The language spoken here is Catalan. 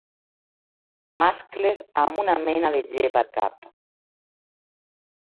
Mascles amb una mena de gep al cap.